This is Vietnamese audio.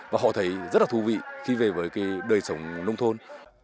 và họ thấy rất là thú vị khi về với cái đời sống nông thôn